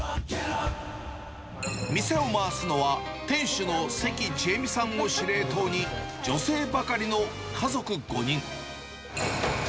店を回すのは、店主の関智恵美さんを司令塔に、女性ばかりの家族５人。